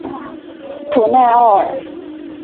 普赖奥尔。